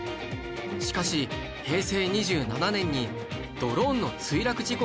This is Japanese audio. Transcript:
しかし平成２７年にドローンの墜落事故が増加